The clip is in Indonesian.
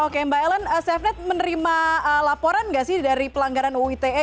oke mbak ellen safenet menerima laporan nggak sih dari pelanggaran uu ite